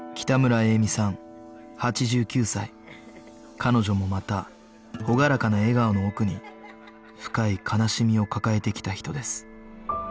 彼女もまた朗らかな笑顔の奥に深い悲しみを抱えてきた人です